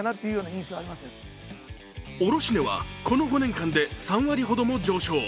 卸値はこの５年間で３割ほどの上昇。